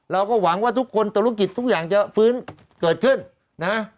เราก็หวังว่าทุกคนธุรกิจทุกอย่างจะฟื้นเกิดขึ้นนะ